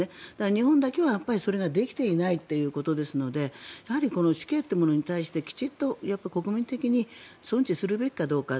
日本だけはそれができていないっていうことですのでやはりこの死刑というものに対して国民的に存置するべきかどうか。